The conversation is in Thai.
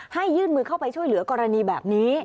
ยื่นมือเข้าไปช่วยเหลือกรณีแบบนี้